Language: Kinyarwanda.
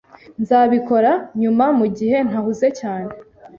Nzabikora nyuma mugihe ntahuze cyane.